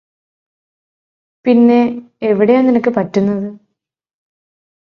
പിന്നെ എവിടെയാ നിനക്ക് പറ്റുന്നത്